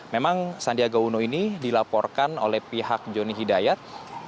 memang sandiaga uno ini dilaporkan oleh pihak joni hidayat